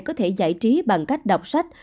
có thể giải trí bằng cách đọc sách